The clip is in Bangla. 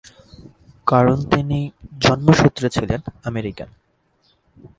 কারণ তিনি জন্মসূত্রে ছিলেন আমেরিকান।